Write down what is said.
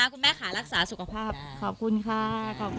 ขอบคุณมากคุณแม่ค่ะรักษาสุขภาพขอบคุณค่ะขอบคุณค่ะ